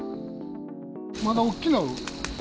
まだ大きくなる。